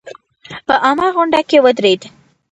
په عامه غونډه کې ودرېد.